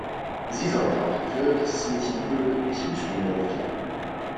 Sie sorgte auch dafür, dass das Mädchen Bö nicht mitspielen durfte.